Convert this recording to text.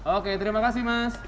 oke terima kasih mas